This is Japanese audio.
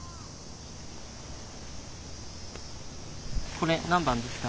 これ何番ですか？